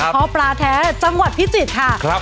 เขาพระแท้จังหวัดพิจิตรค่ะ